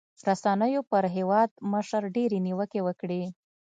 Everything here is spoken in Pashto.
رسنيو پر هېوادمشر ډېرې نیوکې وکړې.